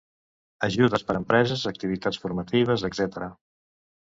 Ajudes per empreses, activitats formatives, etc.